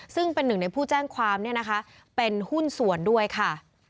ซึ่งเป็นหนึ่งในผู้แจ้งความเนี่ยนะคะเป็นหุ้นส่วนด้วยค่ะ